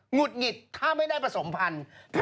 ุดหงิดถ้าไม่ได้ผสมพันธุ์